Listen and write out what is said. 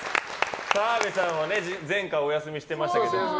澤部さんは前回お休みしてましたけど。